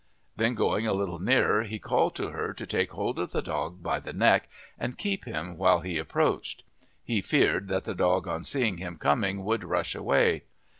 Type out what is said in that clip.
Then going a little nearer he called to her to take hold of the dog by the neck and keep him while he approached. He feared that the dog on seeing him coming would rush away.